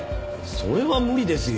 それは無理ですよ。